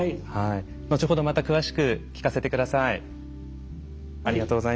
後ほど、また詳しく聞かせてください。